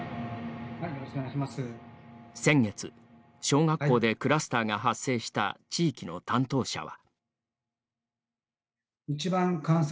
先月、小学校でクラスターが発生した地域の担当者は。